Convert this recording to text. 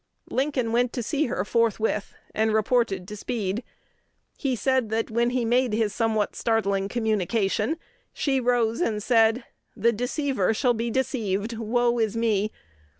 Lincoln went to see her forthwith, and reported to Speed. He said, that, when he made his somewhat startling communication, she rose and said, "'The deceiver shall be deceived: woe is me!'